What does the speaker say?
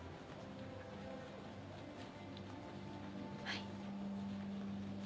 はい。